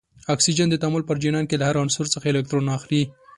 اکسیجن د تعامل په جریان کې له هر عنصر څخه الکترون اخلي.